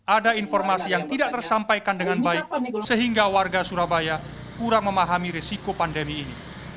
ada informasi yang tidak tersampaikan dengan baik sehingga warga surabaya kurang memahami risiko pandemi ini